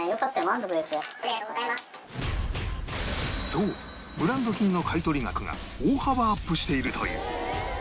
そうブランド品の買取額が大幅アップしているという